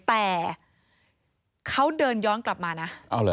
แต่เขาเดินย้อนกลับมานะ